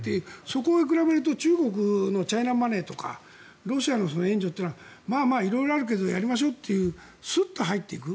そこへ比べると中国のチャイナマネーとかロシアの援助というのは色々あるけどやりましょうというスッと入っていく。